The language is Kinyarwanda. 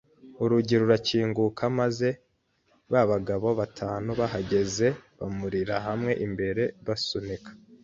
Urugi rurakinguka, maze ba bagabo batanu bahagaze bahurira hamwe imbere, basunika